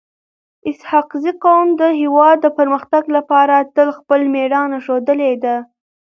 اسحق زي قوم د هیواد د پرمختګ لپاره تل خپل میړانه ښودلي ده.